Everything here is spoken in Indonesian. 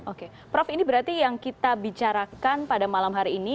oke prof ini berarti yang kita bicarakan pada malam hari ini